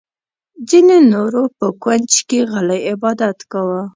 ځینې نورو په کونج کې غلی عبادت کاوه.